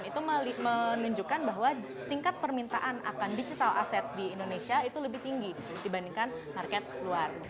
itu menunjukkan bahwa tingkat permintaan akan digital asset di indonesia itu lebih tinggi dibandingkan market luar